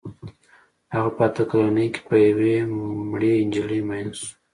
هغه په اته کلنۍ کې په یوې مړې نجلۍ مین شو